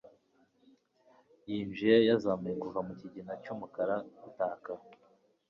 yijimye yazamuye kuva mukigina cyumukara gutaka